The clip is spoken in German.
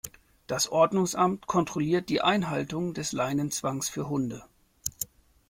Das Ordnungsamt kontrolliert die Einhaltung des Leinenzwangs für Hunde.